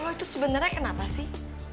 lo itu sebenernya kenapa sih